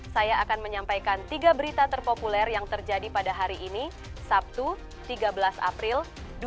saya akan menyampaikan tiga berita terpopuler yang terjadi pada hari ini sabtu tiga belas april dua ribu dua puluh